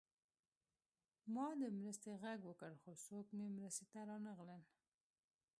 ما د مرستې غږ وکړ خو څوک مې مرستې ته رانغلل